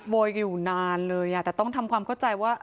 โวยอยู่นานเลยอ่ะแต่ต้องทำความเข้าใจว่า